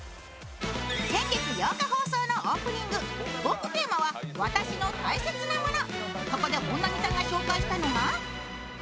先月８日放送のオープニングトークテーマは私の大切なもの。